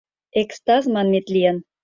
Экстаз манмет лийын.